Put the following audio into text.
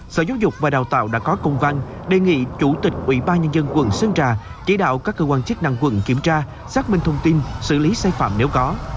sở giáo dục và đào tạo đã có công văn đề nghị chủ tịch ubnd quận sơn trà chỉ đạo các cơ quan chức năng quận kiểm tra xác minh thông tin xử lý sai phạm nếu có